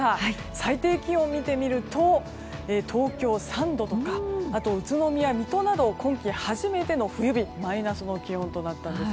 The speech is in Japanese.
最低気温を見てみると東京、３度とかあとは宇都宮、水戸など今季初めての冬日マイナスの気温となったんです。